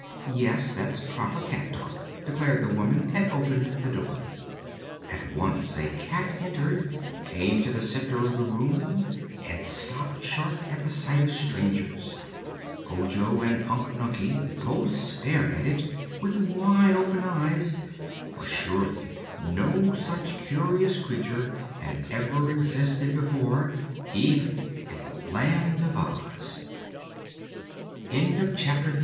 "Yes; that's proper cat talk," declared the woman, and opened the door. At once a cat entered, came to the center of the room and stopped short at the sight of strangers. Ojo and Unc Nunkie both stared at it with wide open eyes, for surely no such curious creature had ever existed before even in the Land of Oz. Chapter Four The